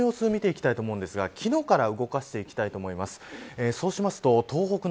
現在の雨雲の様子を見ていきたいと思うんですが昨日から動かしていきたいと思います。